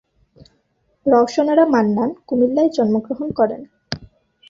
রওশন আরা মান্নান কুমিল্লায় জন্মগ্রহণ করেন।